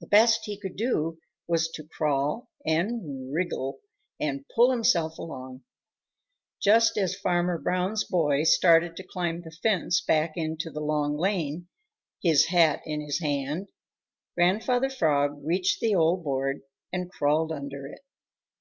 The best he could do was to crawl and wriggle and pull himself along. Just as Farmer Brown's boy started to climb the fence back into the Long Lane, his hat in his hand, Grandfather Frog reached the old board and crawled under it.